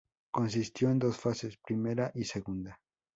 Consistió en dos fases: Primera y Segunda.